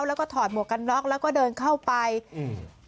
แล้วก็ถอดหมวกกันน็อกแล้วก็เดินเข้าไปอืม